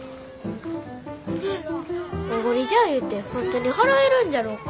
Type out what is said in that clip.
おごりじゃ言うて本当に払えるんじゃろうか。